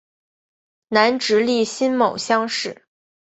南直隶辛卯乡试。